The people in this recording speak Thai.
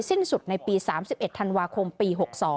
สิ้นสุดในปี๓๑ธันวาคมปี๖๒